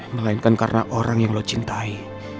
melainkan karena orang yang lo cintai